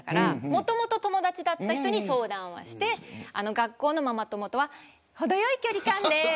もともと友達だった人に相談して学校のママ友とは程よい距離感で。